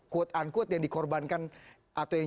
quote unquote yang dikorbankan atau yang